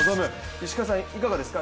石川さん、いかがですか。